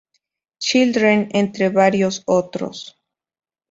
Children, entre varios otros.